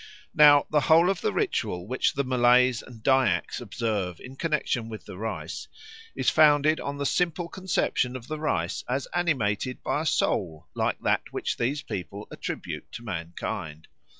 Now the whole of the ritual which the Malays and Dyaks observe in connexion with the rice is founded on the simple conception of the rice as animated by a soul like that which these people attribute to mankind.